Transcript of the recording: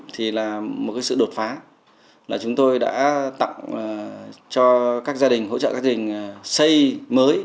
thì là một sự đột phá là chúng tôi đã tặng cho các gia đình hỗ trợ các gia đình xây mới